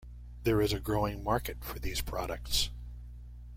There is a growing market for these products.